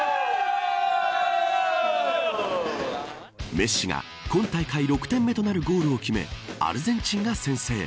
メッシが今大会６点目となるゴールを決めアルゼンチンが先制。